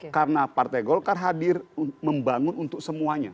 karena partai golkar hadir membangun untuk semuanya